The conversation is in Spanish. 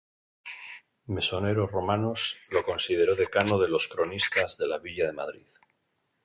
Mesonero Romanos lo consideró decano de los cronistas de la villa de Madrid.